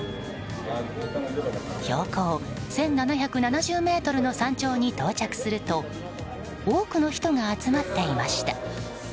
標高１７７０ｍの山頂に到着すると多くの人が集まっていました。